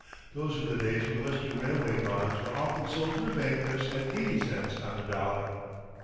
Those were the days when Western railway bonds were often sold to the bankers at eighty cents on the dollar.